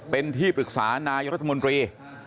เป็นที่ปรึกษานายรัฐมนตรี